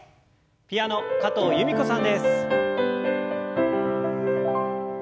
ピアノ加藤由美子さんです。